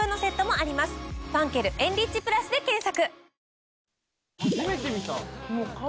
「ファンケルエンリッチプラス」で検索。